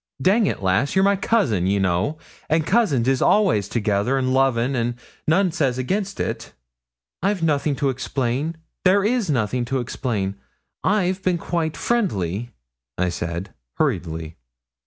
Dang it, lass, you're my cousin, ye know, and cousins is all'ays together and lovin' like, an' none says again' it.' 'I've nothing to explain there is nothing to explain. I've been quite friendly,' I said, hurriedly.